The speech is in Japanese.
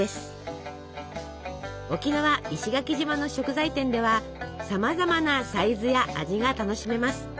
沖縄石垣島の食材店ではさまざまなサイズや味が楽しめます。